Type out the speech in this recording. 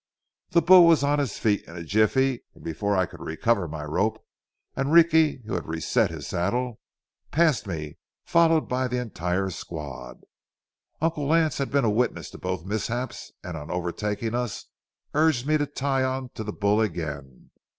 The bull was on his feet in a jiffy, and before I could recover my rope, Enrique, who had reset his saddle, passed me, followed by the entire squad. Uncle Lance had been a witness to both mishaps, and on overtaking us urged me to tie on to the bull again.